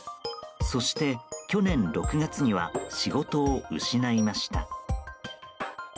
そして去年６月には仕事を失いました。